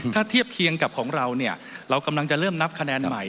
ถ้าเทียบเคียงกับของเราเนี่ยเรากำลังจะเริ่มนับคะแนนใหม่